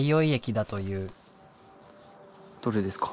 どれですか？